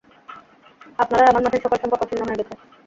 আপনার আর আমার মাঝের সকল সম্পর্ক ছিন্ন হয়ে গেছে।